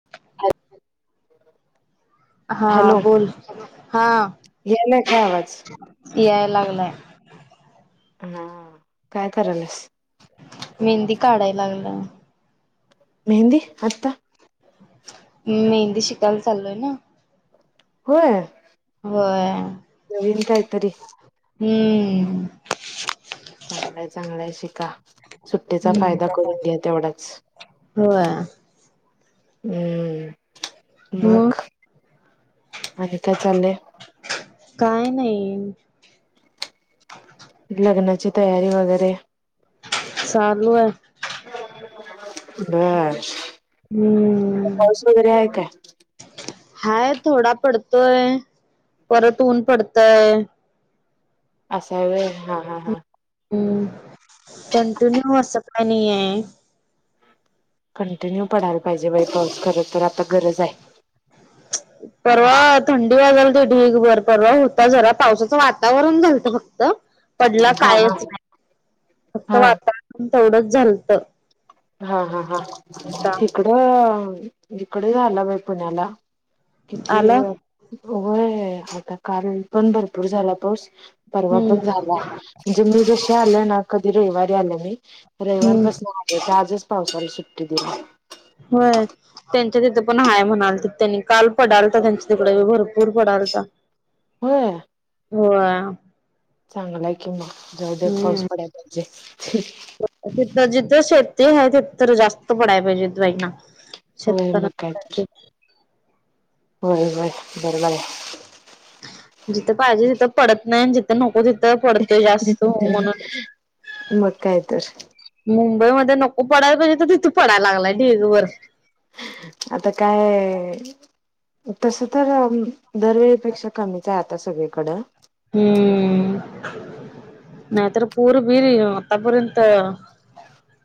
[inaudible] अ [unintelligible] हां बोल हां यायलाय का आवाज याय लागलाय‌ हा काय करायलीस? मेहंदी काढायला लागले. मेहंदी आत्ता मी मेहंदी शिकायला चालोय ना? होय व्हय नवीन काहीतरी. हम्म. चांगलंय चांगलंय शिका. सुट्टीचा हम्म फायदा करून घ्या तेवढाच. होय हम्म... मग आणि काय चाललंय? काय नाही. लग्नाची तयारी वगैरे? चालू ए. बरं. हुं. पाऊस वगैरे आहे काय? हाये थोडा पडतोय... परत ऊन पडतय असं ए व्हय... हा हा हां. हम्म.. कंटिन्यू असं काय नाई ए कंटिन्यू पडायला पाहिजे बाई पाऊस... खरं तर आता गरज ए [inaudible] परवा थंडी वाजालती ढीगभर... परवा होता जरा पावसाचं वातावरण झालतं फक्त पडला हा हा कायच नाय... फक्त हा वातावरण तेवढंच झालतं. हा हा हा.... तिकडं... इकडं झाला बाई पुण्याला. किती आला ए... व्हय कारण पण भरपूर झाला पाऊस परवा हम्म पण झाला... म्हणजे मी जशी आले ना कधी रविवारी आले मी... रविवार हम्म पाासून हेच्या आजच पावसाला सुट्टी दिली. होयच. त्यांच्या तिथं पण हाय म्हणाले ते... त्यांनी काल पडालता त्यांच्या तिकडं... भरपूर पडालता व्हय? हो. चांगलं ए कि मग... जाऊ दे... पाऊस हम्म पडायला पाहिजे. तिथं जिथं शेेती आहे... तिथं तर जास्त पडायला पाहिजे [unintelligible] होय मग काय तर शेतकऱ्यांसाठी. होय होय... बरं झालं. जिथं पाहिजे तिथं पडत नाई... अन जि नको तिथं पडतोय जास्त हो म्हणून मग काय तर मुंबईमध्ये नको पडायला पाहिजे... तर तिथे पडायला लागलाय ढीगभर. आता काय तसं तर... दरवेळीपेक्षा कमीच आहे... आता सगळीकडं हम्म... नाहीतर... पूर-बीर आतापर्यंत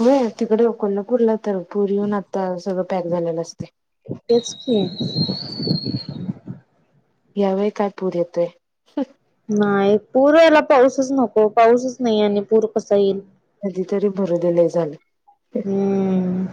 व्हय... तिकडं कोल्हापूरला तर पूर येऊन आता सगळं पॅक झालेलं असतय. तेच की. यावेळी काय पूर येतोय? नाही... पूर यायला पाऊसच नको... पाऊसच नाई आणि पूर कसा येईल? नदी तरी भरू दे.. लई झालं. हम्म...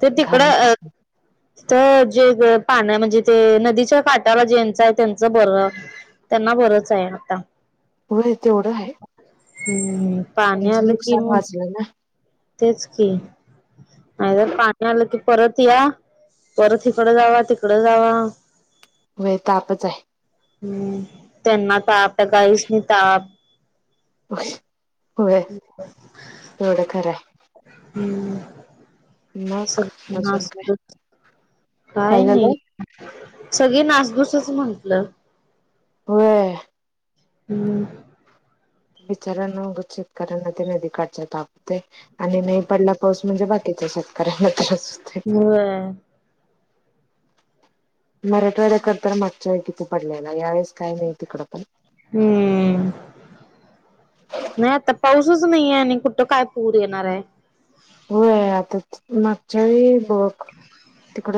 ते घाण तिकडं... माणूस अ तर जे पाण्या... म्हणजे ते नदीच्या काटाला ज्यांच आहे त्यांचं बरं त्यांना बरंच आहे आता. होय... तेवढं हाये. हम्म... पाणी आलं कि मग [inaudible] तेच की नाही तर पाणी आलं की परत या परत इकडं जावा, तिकडं जावा व्हय तापच आहे हम्म त्यांना ताप त्या दाईसनी ताप होय तेवढं खरं आहे हम्म मग अजून काय [inaudible] काय नाही सगळी नासधुसच म्हंटलं होय हम्म बिचाऱ्यांना उगाच शेतकर्यांना ते नदी काठच्या ताप आणि नाही पडला पाऊस म्हणजे बाकीच्या शेतकऱ्यांना त्रास होतय ह मराठवाड्या कडतर मागच्या वेळी किती पडले ना यावेेळेस काही नाही तिकडं पण हम्म नाही आता पाऊस तूच नाहीे आणि कुठं काय पूर येणार आहे होय आता मागच्या वेळी बग तिकड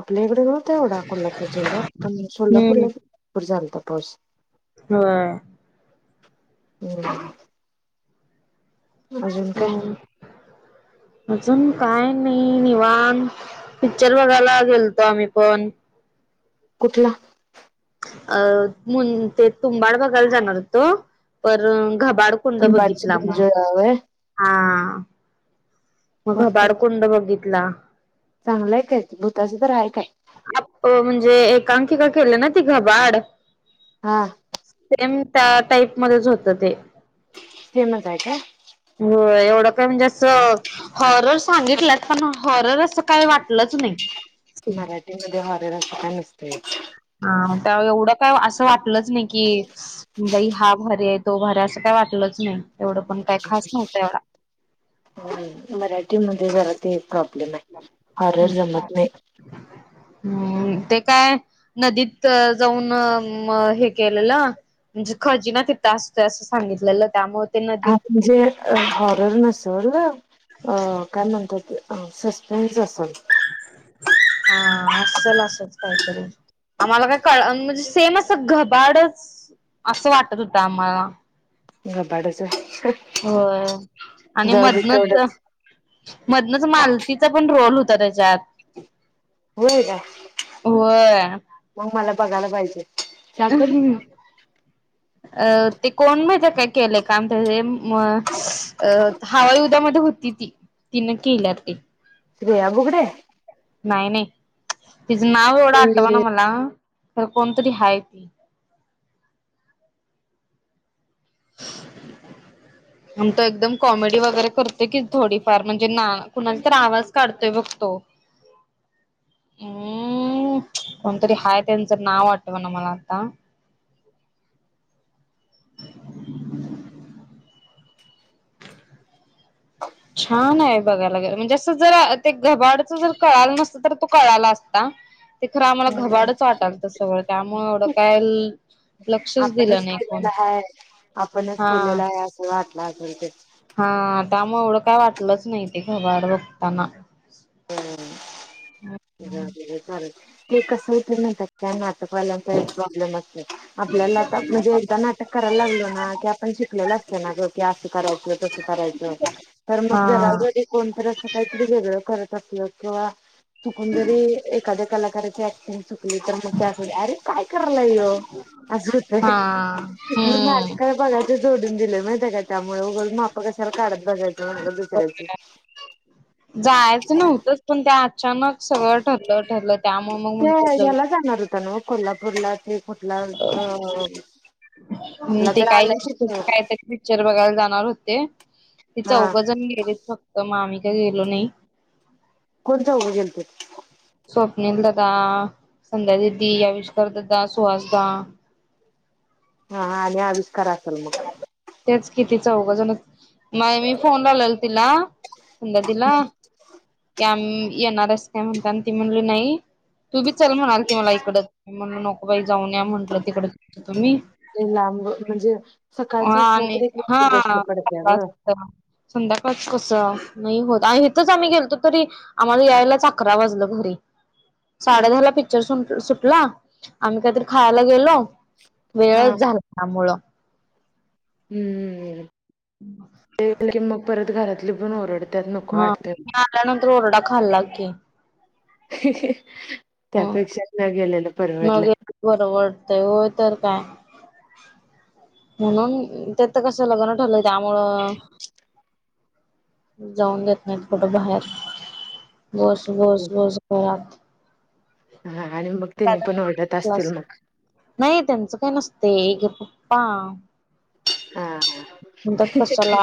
आपल्या इकडे होत एवढा कोल्हापूर जिल्ह्यात पण हम्म सोलापूरला भरपूर झालता पाऊस होय हम् काय हम्म अजून काय नाही निवांत पिच्चर बघायला गेलतो आम्ही पण कुठला? अ मुन ते तुंबाड बघायला जाणार होतो पण घबाड कुंड तुंबाडची बघितला मग एन्जॉय व्हय हा मग कोण कोण घबाडकुंड बघितला चांगलंय काय भूताच तर आहे काय आप म्हणजे एकांकिका केली ना ती घबाड हा सेम त्या टाईपमध्येच होतं ते सेमच हाय काय होय एवढं पण म्हणजे असं हॉरर सांगितल्यात पण हॉरर असं काही वाटलंच नाही मराठीमध्ये हॉरेर अस काय नसतंच हा त्या एवढं काय असं वाटलंच नाही की बाई हा भारी आहे तो भारी असं काही वाटलंच नाही एवढं पण काय खास नव्हतं एवढा ह मराठीमध्ये जरा ते प्रॉब्लेम आहे हरर जमत नाही [inaudible] हम्म ते काय नदीत जाऊन हे केलेलं म्हणजे खजिना तित असतो असं सांगितलेलं त्यामुळे ते हा नदीत म्हणजे हॉरर नसल अ काय म्हणतात ते सस्पेन्स असेल हा असल असच काहीतरी आम्हाला काय कळ म्हणजे सेम असं घबाडच असं वाटत होतं आम्हाला घबाडच हो आणि मधनच तेवढंच मधनच मालतीचा पण रोल होता त्याच्यात होय का होय मग मला बघायला पाहिजे का अ करू अ ते कोण माहि त्या काय केलं काम त्या म अ हवायेऊ द्यामध्ये होती ती तिनं केल्यात एक श्रेयाबुघडे नाही नाही तिचं नाव एवढं आठवा ना मला तर कोणतरी हाय ती. हम्म आम तो एकदम कॉमेडी वगैरे करते की थोडीफार म्हणजे ना कुणाला तर आवाज काढतोय बघतो. [inaudible] हम्म कोणतरी हाय त्यांचं नाव वाटव ना मला आता. छान आहे बघायला गेलं म्हणजे असं जर ते घबाडच जर कळाला नसतं तर तो कळाला असता. ते खरं आम्हाला घबाडच वाटाल त सगळं त्यामुळे एवढं काय लक्षच आपणच दिलं नाही कोण केेलेलं आहे आपणच हा खेलेलं आहे असं वाटलं असेल ते हा त्यामुळे एवढं काय वाटलंच नाही ते घबर बघताना हर चालेल ते कसंत नंत त्या नातकवाल्यांचा हे प्रॉब्लेम असत आपल्याला म्हणजे एकदा नाटक करायला लागलो ना की आपण शिकलेलं असतल ना की असं करायचं तसं करायचं [inaudible] तरर मग हा ज कोणतरी असं काहीतरी वेगळं करत असत किंवा चुकून जरी एखाद्या कलाकाराच्या. चुकली तर मग त्या अरे काय कला य असं होत. हा हम्म कडे बघच जोडून दिले माहिती का त्यामुळे वघल माप कशाला काढत बघायचं म्हटलं दुसऱ्याचे. जायचं नव्हतंच पण ते अचानक सगळं ठरलं ठरत. ते येला जनरत न कोल्हापूरला ते. कुठला अ कुठला ते तर काही आलाय कच. काहीतरी पिक्चर बघायला जाणार होते ती हा चौघ जण गेलीत फक्त मग आम्ही काही गेलो नाही. कोण चौघ गेलते? स्वप्नील दादा संध्या दीदी अविष्कर दादा सुहासदा. हा आणि आविस्कार असेल मग. तेच किती चौघ जण मा मी फोन लालेल तिला. संध्या ताईला येणार आहेस का ती म्हणली नाही. तू बी चाल म्हणाल की मला इकड म्हण नको बाई जाऊन या म्हटलं तिकड तुम्ही. लांब म्हणजे हा सकाळचं असलं आणि तरी एक गोष्ट हा पडते ग. संध्याकाळच कस नाही होत आणि इथच आम्ही गेलतो तरी. आम्हाला यायलाच आकरा वाजला घरी. साडे दहा ला पिक्चर सुटला आम्ही काहीतरी खायला गेलो. हा वेळच झाला त्यामुळं. हम्म मग की मग परत घरातले पन ओरड हा आल्यानंतर ओरडा खाल्ला की. ह त्यापेक्षा न गेलेल परवडलं. मग बरं वाटतय होय तर काय. म्हणून, त्यातत कस लग्न ठरलं त्यामुळं. जाऊन घेत नाहीत कुठ बाहेर. बस बस बस घरात. हा आणि मग तेनी पण ओरडत क्लास असतील मग. नाही त्यांचं काय नसतय. हे पप्पा. हा म्हणतात कशाला.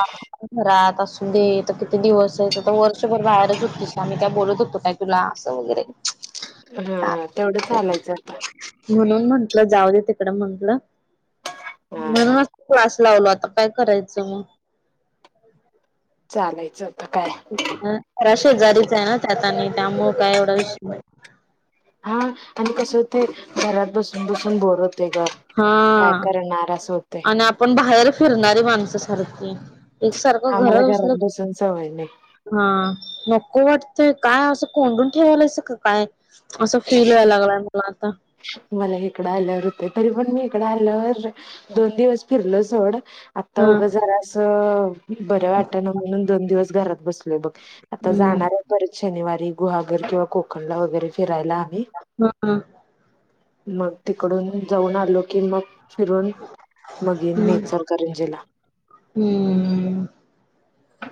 घरात असू दे. त किती दिवसेत. वर्षभर बाहेरच होतीस. आम्ही का बोलत होतो काय. तुला असं वगैरे. हम्म चालतंय तेवढं लायचं आता. म्हणून म्हंटलं जाऊ दे तिकड म्हंटलं. हा हा म्हणूनच क्लास लावलो आता काय करायचं म? चालायचं आता काय. प्शेजारीचे ना त्यात आणि त्यामुळ काय एवढा विषय नाय. हा आणि कसं होतेय. घरात बसून बसून बोर हो ते ग. काय करणार अस होतेय. पण बाहेर फिरणारी माणसं सारखी. एकसारखं आम्हाला घरात बसलं बसून सवय नाही हा, नक्को वाटतंय. काय असं कोंडून ठेवायलस का काय? असं फील व्हायला लागलाय मला आता. मला इकडं आल्यावर होते. तरी पण मी इकडं आल्यावर दोन दिवस फिरलो सोड. आता हा उगं जरासं बर वाटान, म्हणून दोन दिवस घरात बसलोय बघ. आता हम्म. जाणारे परत शनिवारी गुहागर किंवा कोकणला वगैरे फिरायला आम्ही. हम्म. मग तिकडून जाऊन आलो की मग फिरून. मग येईन मी हम्म इचलकरंजीला.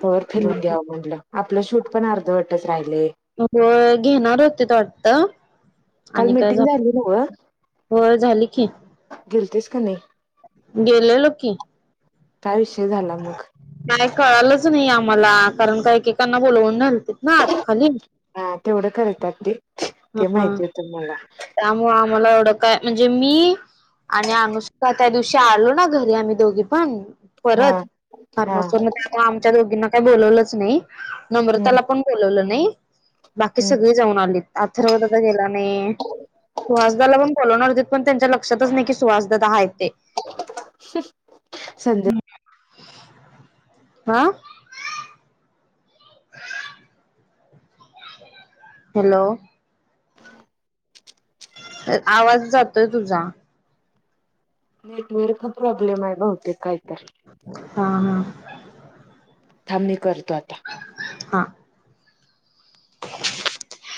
तवर फिरून हम्म. घ्या म्हटलं. आपलं शूट पण अर्धवटच राहिलय. होय, घेणार होते त वाटत. काल आणि काय झा- मिटिंग झाली नव्ह होय झाली की. गेलतीस का नाही? गेलेलो की. काय विषय झाला मग. काय कळालंच नाही आम्हाला. कारण का एकेएकांना बोलवून नेलते ना आत खाली. हा तेवढं करता ते. ह ते माहिती होतं मला. त्यामुळे आम्हाला एवढं काय, म्हणजे मी आणि अनुष्क का त्या दिवशी आलो ना घरी आम्ही दोघी पण. हा परत हा फार्मासवरन त्यामुळ आमच्या दोघींना काही बोलावलंच नाही. हम्म नम्रताला पण बोलवलं नाही. बाकी हम्म सगळी जाऊन आलीत. अथर्व दादा गेला नाही. सुहासदाला पण बोलणार होते. पण त्यांच्या लक्षातच नाही की सुहासदादा हाहेत ते. [inaudible] संध [inaudible] अ. हॅलो. आवाज जातोय तुझा. नेटवर्क प्रॉब्लेम आहे बहुतेक काहीतर हा हा थांब मी करतो आता हा [unintelligible]